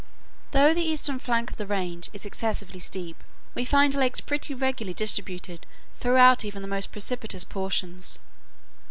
Though the eastern flank of the range is excessively steep, we find lakes pretty regularly distributed throughout even the most precipitous portions.